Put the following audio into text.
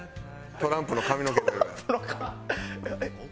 トランプの髪えっ？